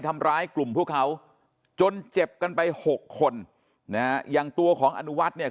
ทำร้ายกลุ่มพวกเขาจนเจ็บกันไปหกคนนะฮะอย่างตัวของอนุวัฒน์เนี่ย